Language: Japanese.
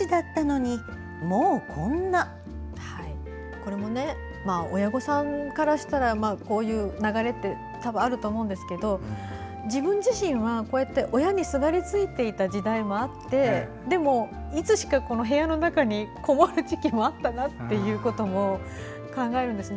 これも親御さんからしたらこういう流れってあると思うんですけど自分自身は親にすがりついていた時代もあっていつしか部屋の中にこもる時期もあったなということも考えるんですね。